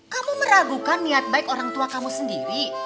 kamu meragukan niat baik orang tua kamu sendiri